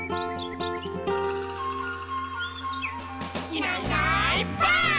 「いないいないばあっ！」